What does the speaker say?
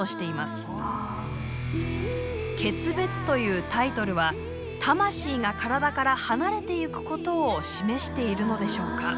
「訣別」というタイトルは魂が体から離れてゆくことを示しているのでしょうか。